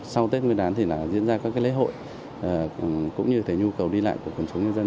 sau tết nguyên đán thì diễn ra các lễ hội cũng như nhu cầu đi lại của quần chúng nhân dân